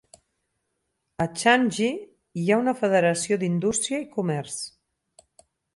A Changji hi ha una federació d'indústria i comerç.